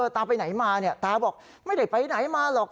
ตาไปไหนมาตาบอกไม่ได้ไปไหนมาหรอก